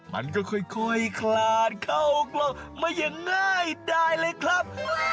มันก็ค่อยคลานเข้ากล่องมาอย่างง่ายได้เลยครับ